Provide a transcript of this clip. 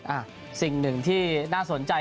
อ่ะสิ่งหนึ่งที่น่าสนใจ